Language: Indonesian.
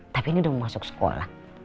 tapi ini udah mau masuk sekolah